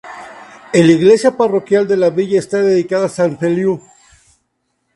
El iglesia parroquial de la villa está dedicada a San Feliu.